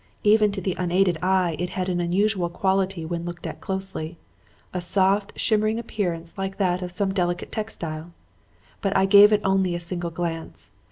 Even to the unaided eye it had an unusual quality when looked at closely; a soft, shimmering appearance like that of some delicate textile. But I gave it only a single glance.